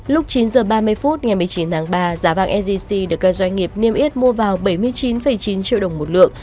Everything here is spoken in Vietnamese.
lúc chín h ba mươi phút ngày một mươi chín tháng ba giá vàng sgc được các doanh nghiệp niêm yết mua vào bảy mươi chín chín triệu đồng một lượng